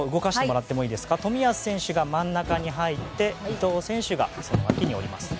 冨安選手が真ん中に入って伊藤選手が脇にいます。